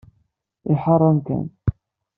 Iḥeṛṛ amkan.